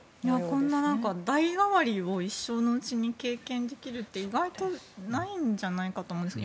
こんな代替わりを一生のうちに経験できるって意外とないんじゃないかと思いますね。